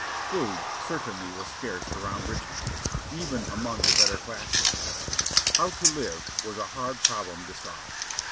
Food certainly was scarce around Richmond, even among the better classes. "How to live" was a hard problem to solve.